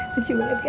lucu banget kan